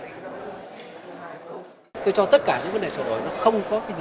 tôi cho tất cả những vấn đề sửa đổi